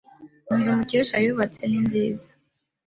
Inzu Mukesha yubatse ni nziza.